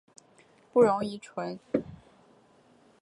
不溶于醇。